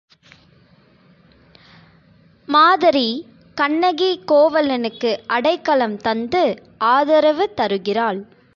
மாதரி கண்ணகி கோவலனுக்கு அடைக்கலம் தந்து ஆதரவு தருகிறாள்.